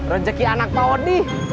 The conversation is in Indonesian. rezeki anak pak wadih